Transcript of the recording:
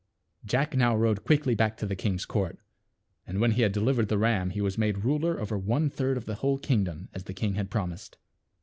Jack now rowed quickly back to the king's court. And when he had delivered the ram he was made ruler over one third of the whole kingdom as the king had promised.